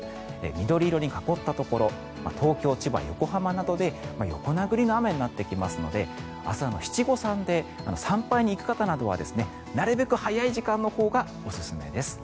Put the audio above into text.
緑色に囲ったところ東京、千葉、横浜などで横殴りの雨になってきますので明日は七五三で参拝に行く方などはなるべく早い時間のほうがおすすめです。